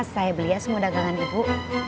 saya beli ya semua dagangan ibu